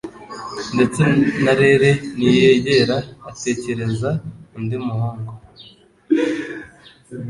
ndetse na Rere ntiyigera atekereza undi muhungu